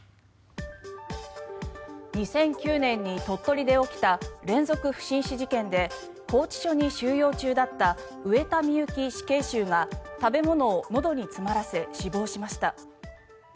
２００９年に鳥取で起きた連続不審死事件で拘置所に収容中だった上田美由紀死刑囚が食べ物をのどに詰まらせ死亡しました。